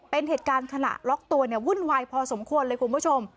เป็นเหตุการณ์ขนาดล๊อคตัววุ่นวายพอสมควรเลยคุณผู้ชม